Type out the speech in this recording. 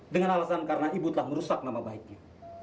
dengan alasan karena ibu telah merusak nama baiknya